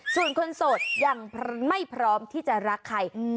ส่วนคนโสดยังไม่พร้อมที่จะรักใคร